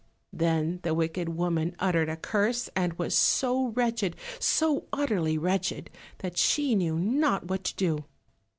Then the wicked woman uttered a curse, and was so wretched, so utterly wretched, that she knew not what to do.